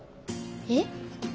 えっ？